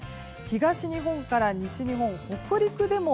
東日本から西日本、北陸でも２０